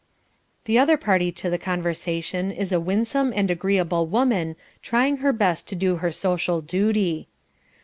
The other party to the conversation is a winsome and agreeable woman, trying her best to do her social duty.